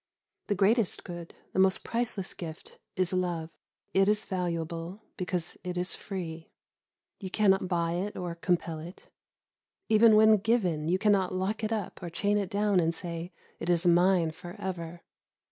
The greatest good, the most priceless gift, is love. It is valuable because it is free. You cannot buy it or compel it; even when given, you cannot lock it up, or chain it down, and say, "It is mine for ever."